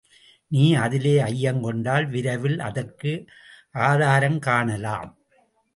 நீ அதிலே ஐயங்கொண்டால், விரைவில் அதற்கு ஆதாரங்காணலாம்.